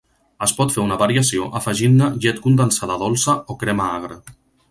Es pot fer una variació afegint-ne llet condensada dolça o crema agra.